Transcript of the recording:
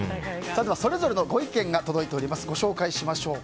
それぞれのご意見が届いています。